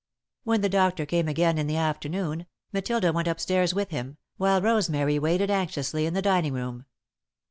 When the doctor came again, in the afternoon, Matilda went up stairs with him, while Rosemary waited anxiously in the dining room.